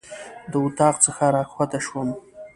د اطاق څخه راکښته شوم.